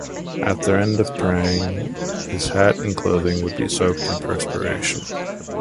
At the end of praying, his hat and clothing would be soaked in perspiration.